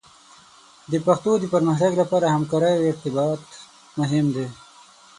د پښتو د پرمختګ لپاره همکارۍ او ارتباط مهم دي.